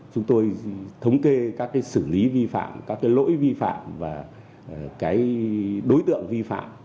chúng tôi thống kê các xử lý vi phạm các lỗi vi phạm và đối tượng vi phạm